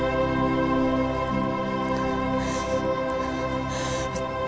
ini semua ular riki